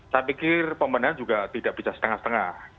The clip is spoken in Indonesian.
saya pikir pembenahan juga tidak bisa setengah setengah